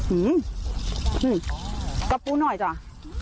อืมอืมกระปูหน่อยจ้า